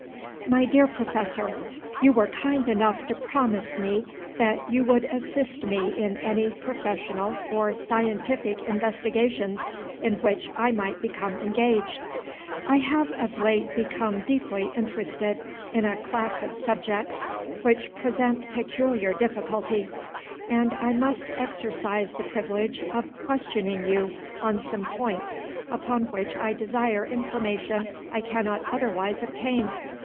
MY DEAR PROFESSOR, You were kind enough to promise me that you would assist me in any professional or scientific investigations in which I might become engaged. I have of late become deeply interested in a class of subjects which present peculiar difficulty, and I must exercise the privilege of questioning you on some points upon which I desire information I cannot otherwise obtain.